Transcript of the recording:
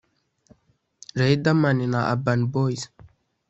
Riderman na Urban Boys